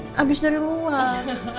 karena mama abis dari luar